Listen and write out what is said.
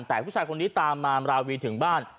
แต่ผู้ชายคนนี้ตามมาราวีถึงบ้าน